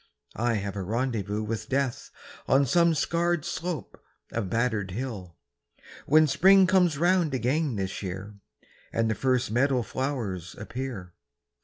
I have a rendezvous with Death On some scarred slope of battered hill, When Spring comes round again this year And the first meadow flowers appear.